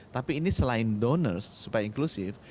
tapi ini selain donor supaya inklusif